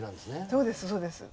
そうですそうです。